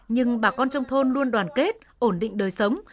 nhưng bà con trong thôn luôn đoàn kết ổn định đời sống